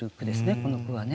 この句はね。